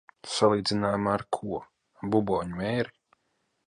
Salīdzinājumā ar ko? Buboņu mēri?